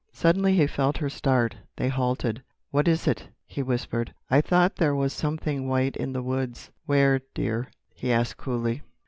Suddenly he felt her start. They halted. "What was it?" he whispered. "I thought there was something white in the woods." "Where, dear?" he asked coolly.